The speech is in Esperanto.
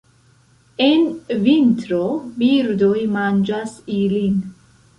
En vintro birdoj manĝas ilin.